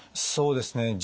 そうですね。